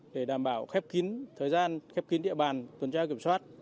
để đảm bảo khép kín thời gian khép kín địa bàn tuần tra kiểm soát